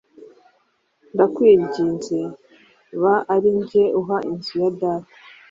Ndakwinginze ba ari njye uha inzu ya data.